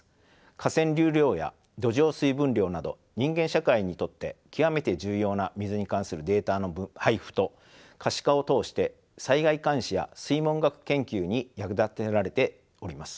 河川流量や土壌水分量など人間社会にとって極めて重要な水に関するデータの配布と可視化を通して災害監視や水文学研究に役立てられております。